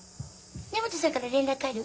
根本さんから連絡ある？